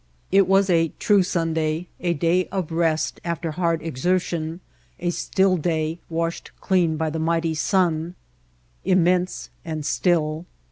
It was a true Sunday, a day of rest after hard exertion, a still day washed clean by the mighty sun. Immense and still.